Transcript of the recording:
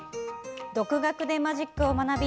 独学でマジックを学び